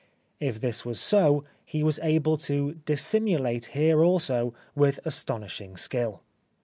If this was so he was able to dissimulate here also with astonishing skill.